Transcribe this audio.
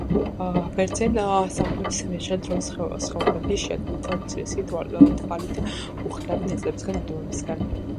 ბერძენ სწავლულებს მიაჩნდათ, რომ სხეულები შეადგება უმცირესი, თვალით უხილავი ნაწილაკებისგან - ატომებისგან